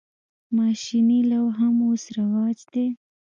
ماشیني لو هم اوس رواج دی.